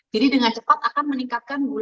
jadi dengan cepat akan meningkatkan bubur